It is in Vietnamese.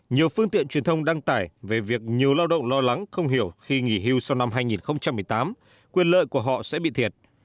nhiều phương tiện truyền thông đăng tải về việc nhiều lao động lo lắng không hiểu khi nghỉ hưu sau năm hai nghìn một mươi tám quyền lợi của họ sẽ bị thiệt